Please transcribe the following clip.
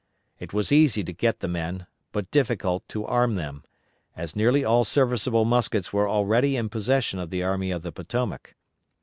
It was easy to get the men, but difficult to arm them, as nearly all serviceable muskets were already in possession of the Army of the Potomac.